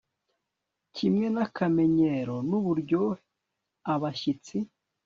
kimwe nakamenyero nuburyohe abashyitsi